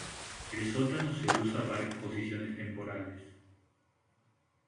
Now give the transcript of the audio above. El sótano se usa para exposiciones temporales.